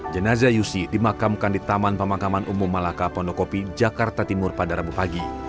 jenazah yusi dimakamkan di taman pemakaman umum malaka pondokopi jakarta timur pada rabu pagi